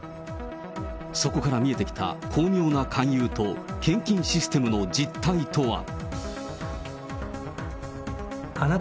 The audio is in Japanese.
そこから見えてきた巧妙な勧誘と献金システムの実態とは。